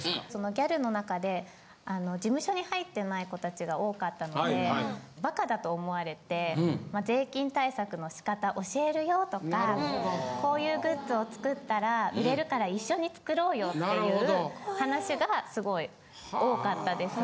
ギャルの中で事務所に入ってない子達が多かったのでバカだと思われて。とか「こういうグッズを作ったら売れるから一緒に作ろうよ」っていう話がすごい多かったですね。